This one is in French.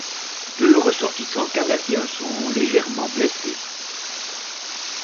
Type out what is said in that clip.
Deux ressortissants canadiens sont légèrement blessés.